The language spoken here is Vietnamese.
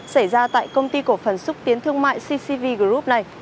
xảy ra tại công ty cổ phần xúc tiến thương mại ccv group này